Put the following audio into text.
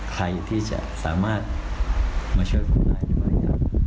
ใครที่จะสามารถมาช่วยพวกเราได้ด้วยนะครับ